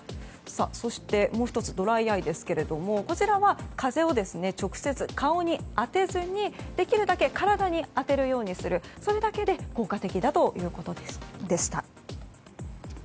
そしてもう１つドライアイですが風を直接、顔に当てずにできるだけ体に当てるようにするそれだけで効果的だということでした。